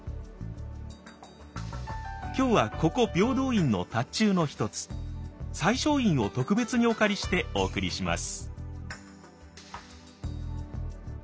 今日はここ平等院の塔頭の一つ最勝院を特別にお借りしてお送りします。